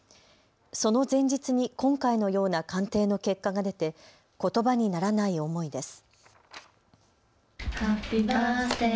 その前日に今回のような鑑定の結果が出て言葉にならない想いです。